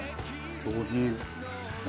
上品。